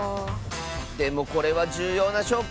でもこれはじゅうようなしょうこ！